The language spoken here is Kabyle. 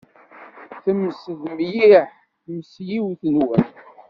Temsed mliḥ tmesliwt-nwen.